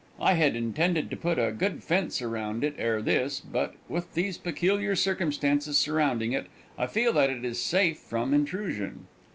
I had intended to put a good fence around it ere this, but with these peculiar circumstances surrounding it, I feel that it is safe from intrusion.